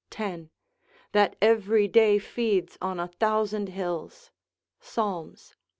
10., that every day feeds on a thousand hills, Psal. 1.